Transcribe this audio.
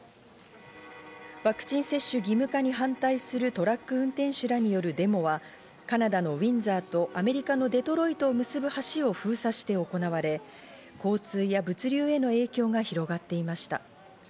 ワクチン接種義務化に反対するトラック運転手らによるデモは、カナダのウィンザーとアメリカのデトロイトを結ぶ橋を封鎖して行われ、交通や物流への影響が広がっていました。